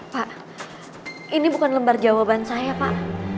pak ini bukan lembar jawaban saya pak